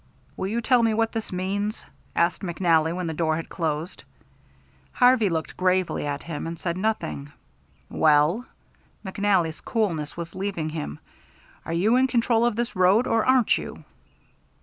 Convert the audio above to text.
"Will you tell me what this means?" asked McNally, when the door had closed. Harvey looked gravely at him and said nothing. "Well?" McNally's coolness was leaving him. "Are you in control of this road, or aren't you?"